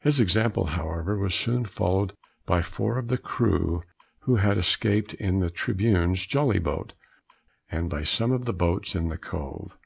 His example, however, was soon followed by four of the crew who had escaped in the Tribune's jolly boat, and by some of the boats in the Cove.